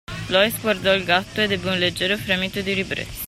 Loïs guardò il gatto ed ebbe un leggero fremito di ribrezzo.